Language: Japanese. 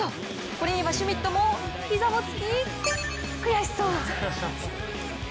これにはシュミットも膝をつき、悔しそう。